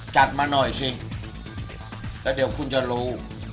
จัดมาหน่อยสิแล้วเดี๋ยวคุณจะรู้